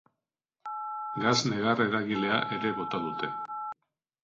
Gas negar-eragilea ere bota dute.